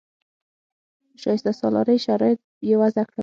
د شایسته سالارۍ شرایط یې وضع کړل.